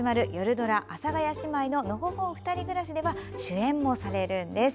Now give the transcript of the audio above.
ドラ「阿佐ヶ谷姉妹ののほほんふたり暮らし」では主演もされるんです。